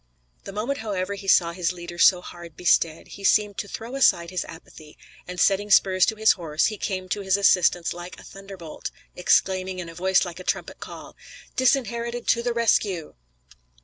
The moment, however, he saw his leader so hard bestead he seemed to throw aside his apathy, and setting spurs to his horse he came to his assistance like a thunderbolt, exclaiming, in a voice like a trumpet call, "Disinherited to the rescue!"